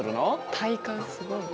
体幹すごいな。